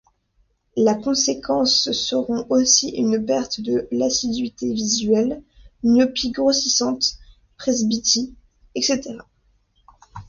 La conséquences seront aussi une perte de l'acuité visuelle, myopie grossissante, presbytie, etc.